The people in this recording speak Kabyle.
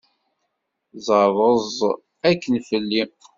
Ẓeṛṛeẓ akin fell-i!